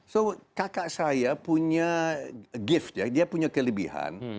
so kakak saya punya kelebihan